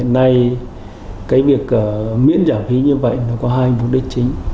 hôm nay cái việc miễn giảm phí như vậy có hai mục đích chính